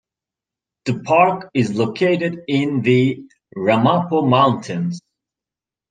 The park is located in the Ramapo Mountains.